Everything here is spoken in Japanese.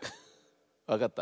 わかった？